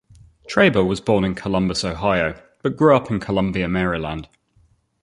Traber was born in Columbus, Ohio, but grew up in Columbia, Maryland.